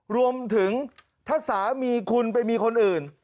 รวมถึงถ้าสามีคุณไปมีคนอื่น